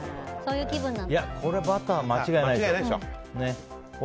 これ、バター間違いないでしょ。